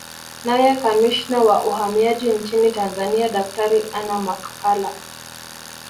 Naye Kamishna wa Uhamiaji nchini Tanzania Daktari Anna Makakala